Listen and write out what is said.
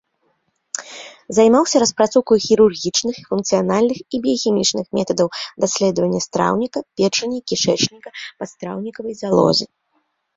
Займаўся распрацоўкай хірургічных, функцыянальных і біяхімічных метадаў даследавання страўніка, печані, кішэчніка, падстраўнікавай залозы.